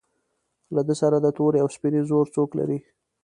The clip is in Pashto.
له ده سره د تورې او سپینې زور څوک لري.